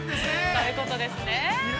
◆そういうことですね。